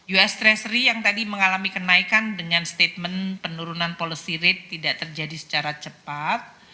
us treasury yang tadi mengalami kenaikan dengan statement penurunan policy rate tidak terjadi secara cepat